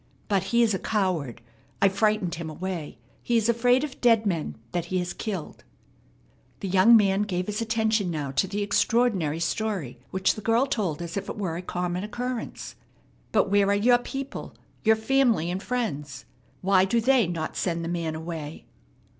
But he is a coward. I frightened him away. He is afraid of dead men that he has killed." The young man gave his attention now to the extraordinary story which the girl told as if it were a common occurrence. "But where are your people, your family and friends? Why do they not send the man away?"